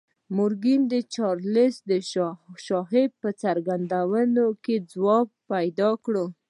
مورګان د چارليس شواب په څرګندونو کې ځواب پيدا کړ.